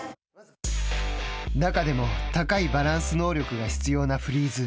中でも、高いバランス能力が必要なフリーズ。